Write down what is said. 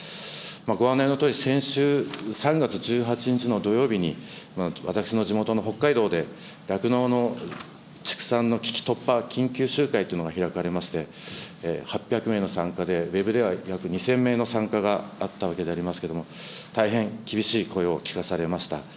ご案内のとおり、先週３月１８日の土曜日に、私の地元の北海道で、酪農の畜産の危機突破緊急集会というのが開かれまして、８００名の参加で、ウェブでは約２０００名の参加があったわけでありますけれども、大変厳しい声を聞かされました。